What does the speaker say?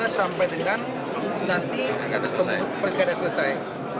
sampai dengan nanti pilkada selesai